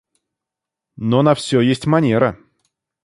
Но на всё есть манера.